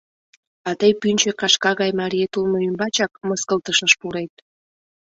А тый пӱнчӧ кашка гай мариет улмо ӱмбачак мыскылтышыш пурет.